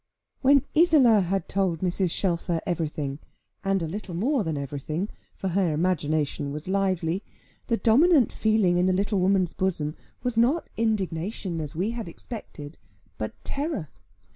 When Isola had told Mrs. Shelfer everything, and a little more than everything (for her imagination was lively), the dominant feeling in the little woman's bosom was not indignation, as we had expected, but terror.